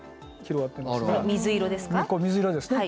水色ですか？